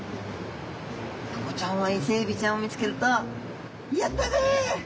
タコちゃんはイセエビちゃんを見つけると「やったぜ！